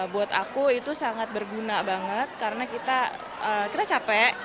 buat aku itu sangat berguna banget karena kita capek